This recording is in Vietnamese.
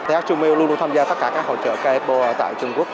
th trung mêu luôn luôn tham gia tất cả các hội trợ kfbo tại trung quốc